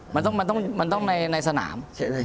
มันต้องในสนามเฉย